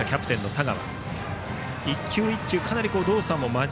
田川。